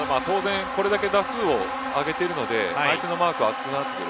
これだけ打数を上げているので相手のマークは厚くなってくる。